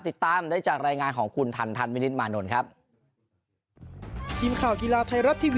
ติดตามได้จากรายงานของคุณทันทันวินิตมานนท์ครับ